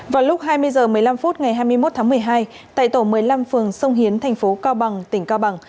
vào lúc hai mươi h một mươi năm phút ngày hai mươi một tháng một mươi hai tại tổ một mươi năm phường sông hiến thành phố cao bằng tỉnh cao bằng